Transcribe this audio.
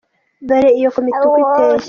Dore iyo komite uko iteye :.